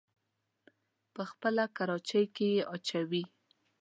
په خپله کراچۍ کې يې اچوي.